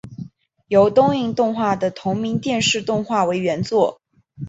由东映动画的同名电视动画为原作。